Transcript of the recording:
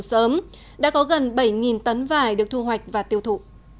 vải thiều sớm đã có gần bảy tấn vải được thu hoạch và tiêu thụ